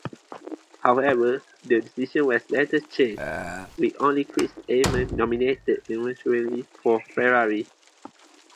However, the decision was later changed, with only Chris Amon nominated eventually for Ferrari.